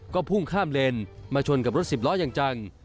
ก็พุ่งข้ามเลนมาชนกับรถสิบล้ออย่างจัง